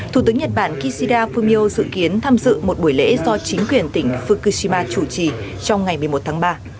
thủ tướng nhật bản kishida fumio dự kiến tham dự một buổi lễ do chính quyền tỉnh fukushima chủ trì trong ngày một mươi một tháng ba